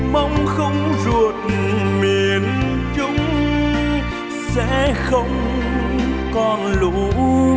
mong không ruột miền trung sẽ không còn lũ vẻ như lời bài hát